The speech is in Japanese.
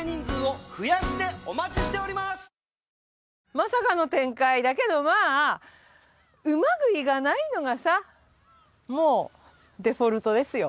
まさかの展開だけどまあうまくいかないのがさもうデフォルトですよ。